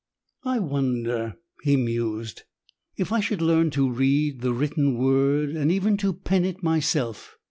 "I wonder," he mused, "if I shall learn to read the written word and even to pen it myself.